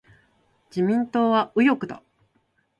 自民党は右翼だ。